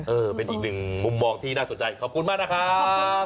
เออเป็นอีกหนึ่งมุมมองที่น่าสนใจขอบคุณมากนะครับ